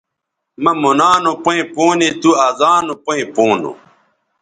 مہ مونا نو پیئں پونے تُو ازانو پیئں پونو